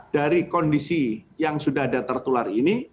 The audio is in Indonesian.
dari kondisi yang sudah ada tertular ini